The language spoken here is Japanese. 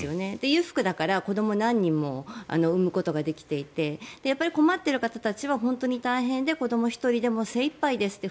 裕福だから子どもを何人も生むことができていて困っている方たちは本当に大変で子ども１人で精いっぱいですって。